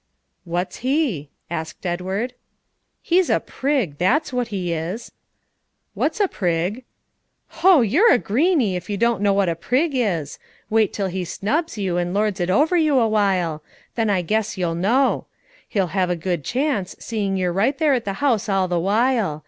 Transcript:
"What's he?" asked Edward. "He's a prig; that's what he is." "What's a prig?" "Ho! you're a greeney, if you don't know what a prig is. Wait till he snubs you and lords it over you awhile; then I guess you'll know. He'll have a good chance, seeing you're right there at the house all the while.